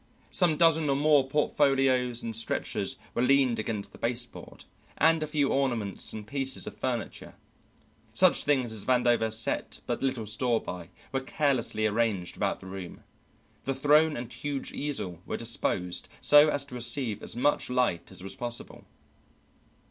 Some dozen or more portfolios and stretchers were leaned against the baseboard, and a few ornaments and pieces of furniture, such things as Vandover set but little store by, were carelessly arranged about the room. The throne and huge easel were disposed so as to receive as much light as was possible.